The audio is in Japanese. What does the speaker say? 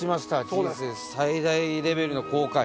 人生最大レベルの後悔。